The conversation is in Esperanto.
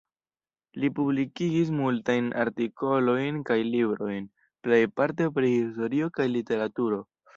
Li publikigis multajn artikolojn kaj librojn, plejparte pri historio kaj literaturo.